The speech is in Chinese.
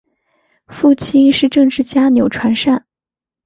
父亲是政治家钮传善。